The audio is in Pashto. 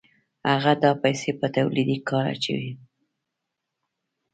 هغه دا پیسې په تولیدي کار اچوي